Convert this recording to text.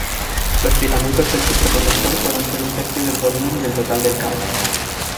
Los filamentos del superconductor pueden ser un tercio del volumen del total del cable.